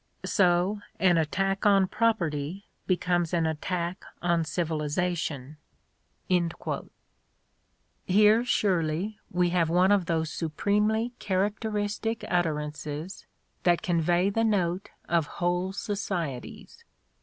Bb an attack on Property becomes an attack on Civilization. 58 The Ordeal of Mark Twain Here, surely, we have one of those supremely char acteristic utterances that convey the note of whole societies.